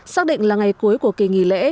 xác định là ngày cuối của kỳ nghỉ lễ